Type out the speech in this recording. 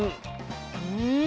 うん。